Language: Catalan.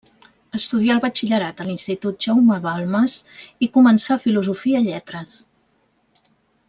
Estudià el batxillerat a l’Institut Jaume Balmes i començà Filosofia i Lletres.